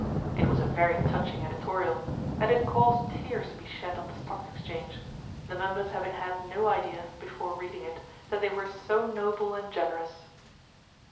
It was a very touching editorial, and it caused tears to be shed on the Stock Exchange, the members having had no idea, before reading it, that they were so noble and generous.